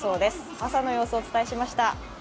朝の様子をお伝えしました。